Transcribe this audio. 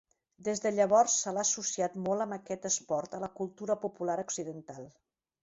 Des de llavors, se l'ha associat molt amb aquest esport a la cultura popular occidental.